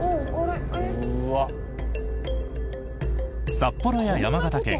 札幌や山形県